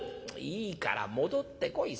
「いいから戻ってこい。